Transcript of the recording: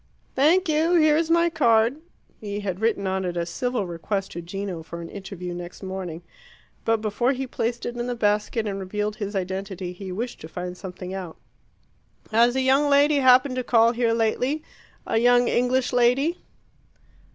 "Thank you here is my card." He had written on it a civil request to Gino for an interview next morning. But before he placed it in the basket and revealed his identity, he wished to find something out. "Has a young lady happened to call here lately a young English lady?"